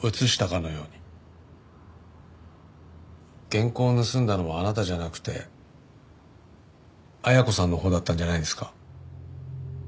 原稿を盗んだのはあなたじゃなくて恵子さんのほうだったんじゃないんですか？